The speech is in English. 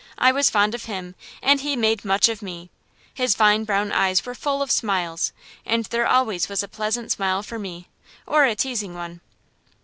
I was fond of him and he made much of me. His fine brown eyes were full of smiles, and there always was a pleasant smile for me, or a teasing one.